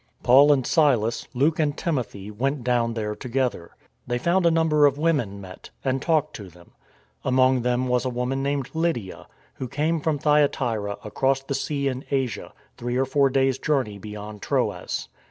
Paul and Silas, Luke and Timothy, went down there together. They found a number of women met, and talked to them. Among them was a woman named Lydia, who came from Thyatira across the sea in Asia, three or four days' journey beyond Troas.